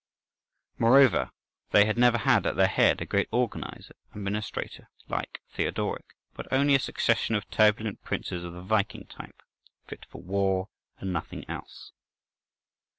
Moreover, they had never had at their head a great organizer and administrator like Theodoric, but only a succession of turbulent princes of the Viking type, fit for war and nothing else.